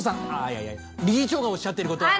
いやいや理事長がおっしゃってる事は。